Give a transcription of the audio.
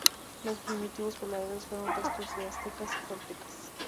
Los primitivos pobladores fueron restos de aztecas y toltecas.